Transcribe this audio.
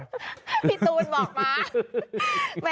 พี่ตูนบอกมา